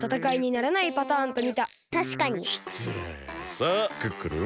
さあクックルン。